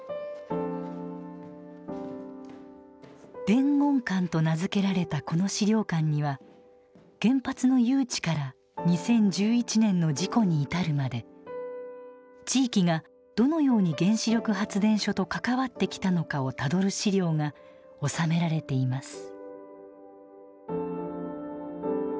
伝言館と名付けられたこの資料館には原発の誘致から２０１１年の事故に至るまで地域がどのように原子力発電所と関わってきたのかをたどる資料が収められています。